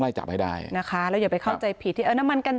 จับให้ได้นะคะแล้วอย่าไปเข้าใจผิดที่เอาน้ำมันกัน